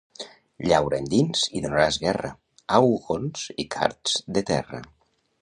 Llaura endins i donaràs guerra, a ugons i cards de terra.